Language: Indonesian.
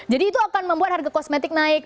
jadi itu akan membuat harga kosmetik